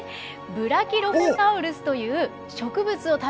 ブラキロフォサウルスという植物を食べる恐竜。